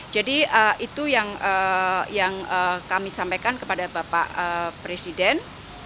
jadi itu yang kami sampaikan kepada bapak presiden